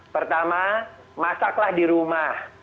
pertama masaklah di rumah